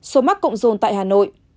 hai số mắc cộng dồn tại hà nội